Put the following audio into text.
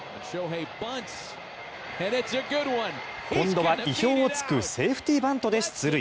今度は意表を突くセーフティーバントで出塁。